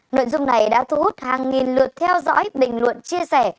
nội dung này đã thu hút hàng nghìn lượt theo dõi bình luận chia sẻ